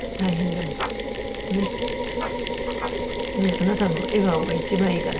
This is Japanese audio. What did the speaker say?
あなたの笑顔が一番いいから。